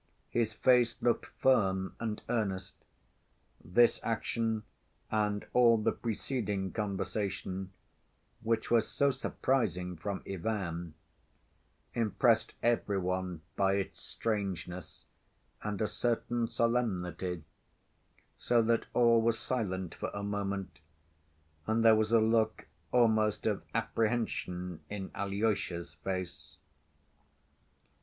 His face looked firm and earnest. This action and all the preceding conversation, which was so surprising from Ivan, impressed every one by its strangeness and a certain solemnity, so that all were silent for a moment, and there was a look almost of apprehension in Alyosha's face.